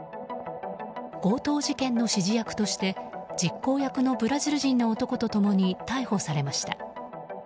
強盗事件の指示役として実行役のブラジル人の男と共に逮捕されました。